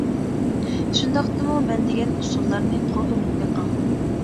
شۇنداقتىمۇ مەن دېگەن ئۇسۇللارنى قوللىنىپ بېقىڭ.